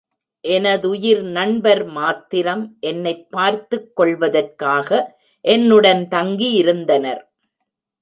எனதுயிர் நண்பர் மாத்திரம் என்னைப் பார்த்துக் கொள்வதற்காக, என்னுடன் தங்கியிருந்தனர்.